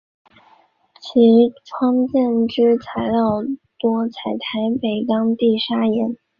其窗之建材多采台北当地砂岩。